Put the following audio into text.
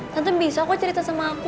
tentu bisa kok cerita sama aku